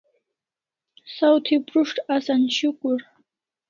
Saw thi prus't asan shukur